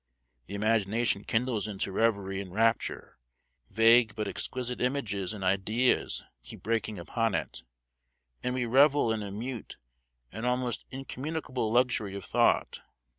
The imagination kindles into reverie and rapture, vague but exquisite images and ideas keep breaking upon it, and we revel in a mute and almost incommunicable luxury of thought.